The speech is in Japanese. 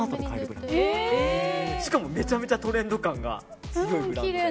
しかもめちゃめちゃトレンド感が強いブランドで。